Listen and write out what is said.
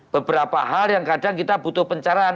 beberapa hal yang kadang kita butuh pencerahan